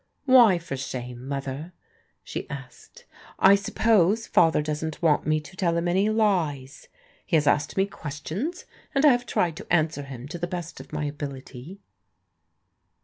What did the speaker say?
"Why for shame, Mother?" she asked. "I suppose Father doesn't want me to tell him any lies. He has asked me questions, and I have tried to answer him to the best of my ability."